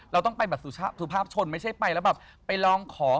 เราต้องไปแบบสุภาพชนไม่ใช่ไปแล้วแบบไปลองของ